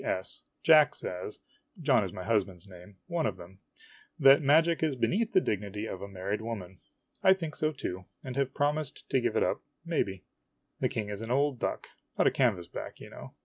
S. Jack says (John is my husband's name one of them) that magic is be neath the dignity of a married woman. I think so, too, and have promised to give it up, maybe. The King is an old duck not a canvasback, you kno\v.